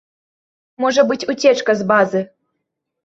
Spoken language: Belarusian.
Можа быць уцечка з базы.